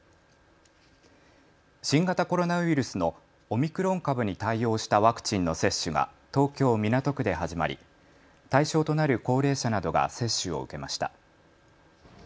新型コロナウイルスのオミクロン株に対応したワクチンの接種が東京港区で始まり対象となる高齢者などが接種を受けました。